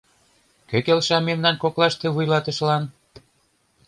Кӧ келша мемнан коклаште вуйлатышылан?